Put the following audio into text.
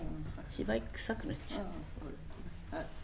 芝居くさくなっちゃう。